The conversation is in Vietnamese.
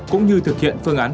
cũng như thực hiện phương án ba